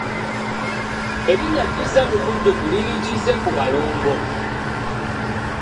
Erinnya Kizza mu bujjuvu liri Kizzekubalongo.